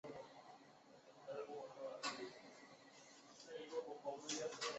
他的证据完全基于那些油画本身的特点。